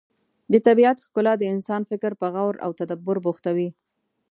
د طبیعت ښکلا د انسان فکر په غور او تدبر بوختوي.